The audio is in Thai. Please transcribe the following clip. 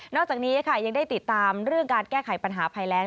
อกจากนี้ค่ะยังได้ติดตามเรื่องการแก้ไขปัญหาภัยแรง